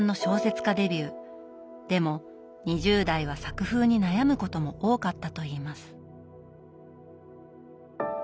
でも２０代は作風に悩むことも多かったといいます。